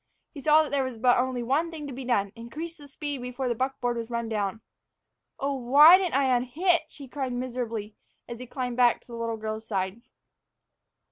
He saw that there was but one thing to be done: increase the speed before the buckboard was run down. "Oh, why didn't I unhitch?" he cried miserably as he climbed back to the little girl's side.